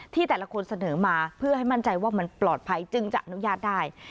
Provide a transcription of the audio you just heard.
ที่แต่ละคนเสนอมาเพื่อให้มั่นใจว่ามันปลอดภัยจึงจะอนุญาตได้